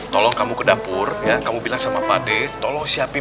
tolong kamu kedapur ya kamu bilang sama pade tolong siapin